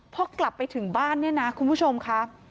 พอกลับไปถึงบ้านเนี่ยนะคุณผู้ชมค่ะ